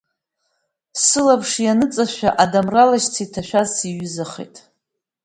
Сылаԥш ианыҵшәа, адамра лашьца иҭашәаз сиҩызахеит.